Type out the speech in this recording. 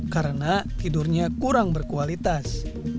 karena tidurnya kurang berkualitas